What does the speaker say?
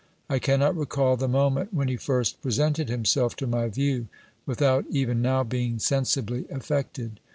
I cannot recall the moment when he first presented himself to my view without even now being sensibly affected.